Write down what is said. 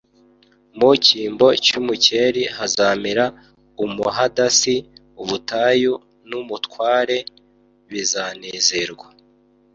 mu cyimbo cy'umukeri hazamera umuhadasi. Ubutayu n'umutarwe bizanezerwa".»